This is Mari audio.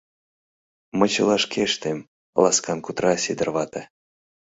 Мый чыла шке ыштем, — ласкан кутыра Сидыр вате.